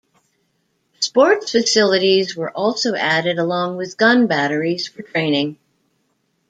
Sports facilities were also added along with gun batteries for training.